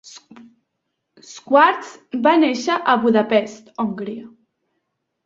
Schwartz va néixer a Budapest, Hongria.